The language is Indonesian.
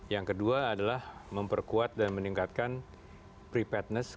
yang kedua adalah memperkuat dan meningkatkan prepadness